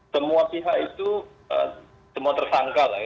semua pihak itu semua tersangka lah ya